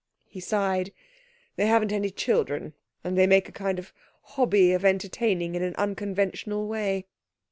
He sighed. 'They haven't any children, and they make a kind of hobby of entertaining in an unconventional way.'